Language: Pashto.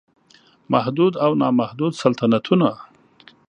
محدود او نا محدود سلطنتونه